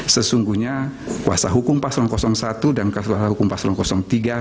sesungguhnya kuasa hukum paslon satu dan kasus hukum paslon tiga